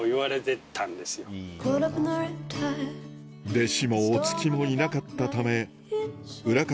弟子もお付きもいなかったため裏方